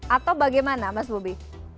atau bagaimana mas bobi